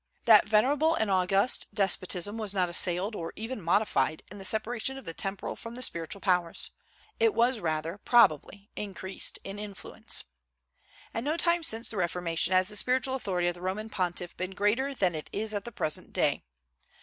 That venerable and august despotism was not assailed, or even modified, in the separation of the temporal from the spiritual powers. It was rather, probably, increased in influence. At no time since the Reformation has the spiritual authority of the Roman Pontiff been greater than it is at the present day.